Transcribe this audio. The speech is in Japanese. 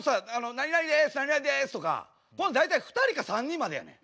「何々です」とかこれ大体２人か３人までやねん。